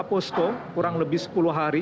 posko kurang lebih sepuluh hari